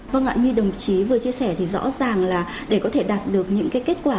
vâng ạ như đồng chí vừa chia sẻ thì rõ ràng là để có thể đạt được những cái kết quả